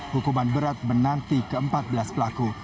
hukuman berat menanti ke empat belas pelaku